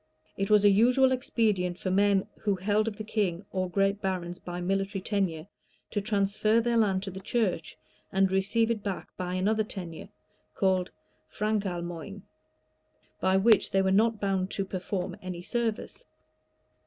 It was a usual expedient for men who held of the king or great barons by military tenure, to transfer their land to the church, and receive it back by another tenure, called frankalmoigne, by which they were not bound to per form any service.